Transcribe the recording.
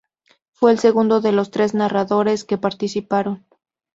Fue el segundo de los tres nadadores que participaron.